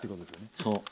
そう。